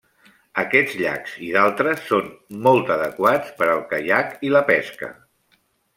Aquests llacs i d'altres són molt adequats per al caiac i la pesca.